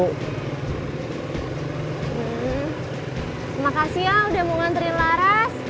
terima kasih ya udah mau ngantri laras